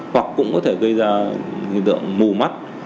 hoặc cũng có thể gây ra hiện tượng mù mắt